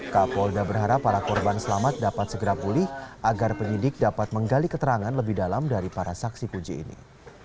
kapolda berharap para korban selamat dapat segera pulih agar penyidik dapat menggali keterangan lebih dalam dari para saksi puji ini